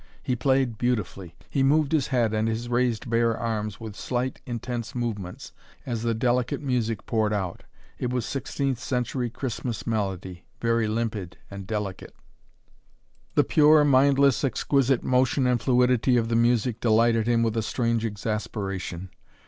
He played beautifully. He moved his head and his raised bare arms with slight, intense movements, as the delicate music poured out. It was sixteenth century Christmas melody, very limpid and delicate. The pure, mindless, exquisite motion and fluidity of the music delighted him with a strange exasperation.